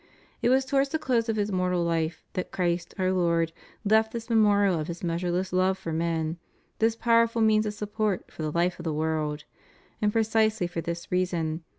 It was towards the close of His mortal life that Christ our Lord left this me morial of His measureless love for men, this powerful means of support for the life of the world} And precisely for this reason.